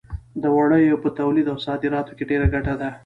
د وړیو په تولید او صادراتو کې ډېره ګټه ده.